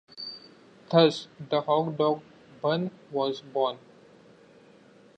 Thus, the hot dog bun was born.